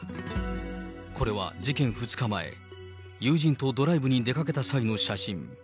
これは事件２日前、友人とドライブに出かけた際の写真。